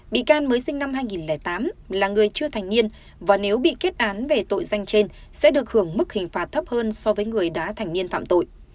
bị can mới sinh năm hai nghìn tám là người chưa thành niên và nếu bị kết án về tội danh trên sẽ được hưởng mức hình phạt thấp hơn so với người đã thành niên phạm tội